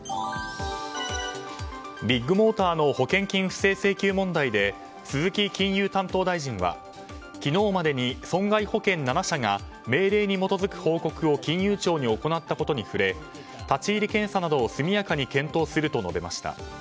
ビッグモーターの保険金不正請求問題で鈴木金融担当大臣は、昨日までに損害保険７社が命令に基づく報告を金融庁に行ったことに触れ立ち入り検査などを速やかに検討すると述べました。